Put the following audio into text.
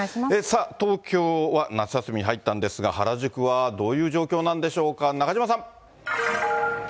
東京は夏休みに入ったんですが、原宿はどういう状況なんでしょうか、中島さん。